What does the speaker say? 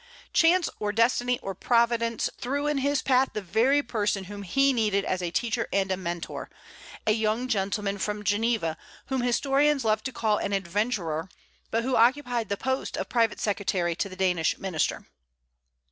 Chance, or destiny, or Providence, threw in his path the very person whom he needed as a teacher and a Mentor, a young gentleman from Geneva, whom historians love to call an adventurer, but who occupied the post of private secretary to the Danish minister.